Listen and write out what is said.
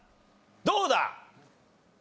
どうだ？